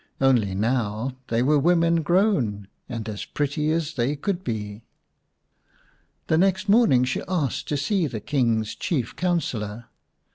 Only now they were women grown, and as pretty as they could be. The next morning she asked to see the King's chief councillor.